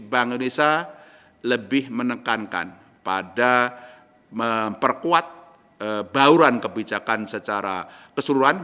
bank indonesia lebih menekankan pada memperkuat bauran kebijakan secara keseluruhan